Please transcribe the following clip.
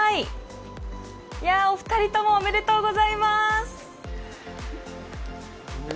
お二人ともおめでとうございます！